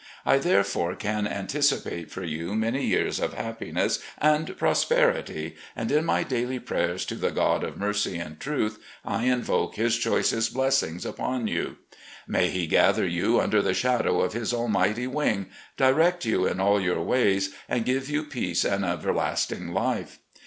I, therefore, can anticipate for you many years of happiness and prosperity, and in my daily prayers to the God of mercy and truth I invoke His choicest blessings upon you. May He gather you under the shadow of His almighty wing, direct you in all your ways, and give you peace and everlasting life.